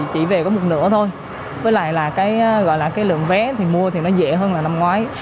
chỉ về có một nửa thôi với lại là cái gọi là cái lượng vé thì mua thì nó dễ hơn là năm ngoái